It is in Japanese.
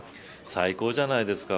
最高じゃないですか。